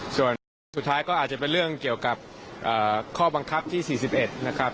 ส่วนสุดท้ายก็อาจจะเป็นเรื่องเกี่ยวกับข้อบังคับที่๔๑นะครับ